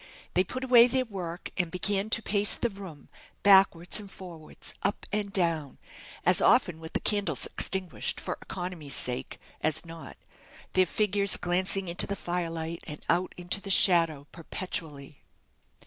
They put away their work, and began to pace the room backwards and forwards, up and down, as often with the candles extinguished, for economy's sake, as not, their figures glancing into the fire light, and out into the shadow, perpetually.